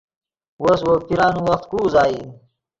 وس وو پیرانے وخت کو اوازئی